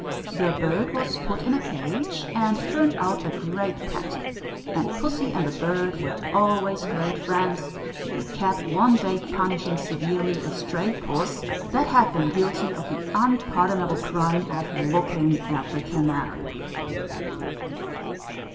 The bird was put in a cage, and turned out a great pet; and pussy and the bird were always great friends; the cat one day punishing severely a stray puss that had been guilty of the unpardonable crime of looking at the canary.